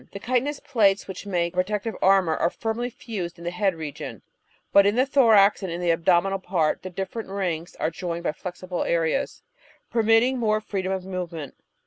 The chiti nous plates, which make a protective armour, are firmly fused in the head region, but in the thorax and in the abdominal part the different rings are joined by flexible areas, permitting more freedom of movement.